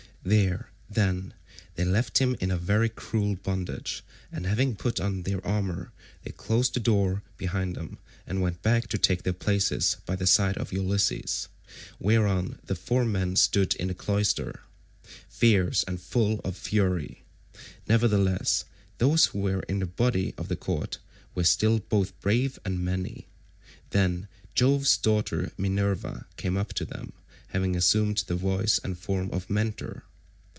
There, then, they left him in very cruel bondage, and having put on their armour they closed the door behind them and went back to take their places by the side of Ulysses; whereon the four men stood in the cloister, fierce and full of fury; nevertheless, those who were in the body of the court were still both brave and many. Then Jove's daughter Minerva came up to them, having assumed the voice and form of Mentor.